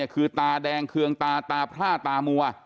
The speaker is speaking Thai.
คือตาแดงเคืองตาประชาชน์ตามัว